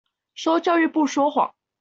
說教育部說謊